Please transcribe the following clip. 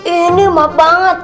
ini maaf banget